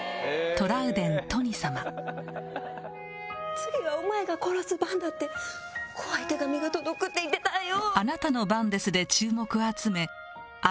「次はお前が殺す番だ」って怖い手紙が届くって言ってたんよ！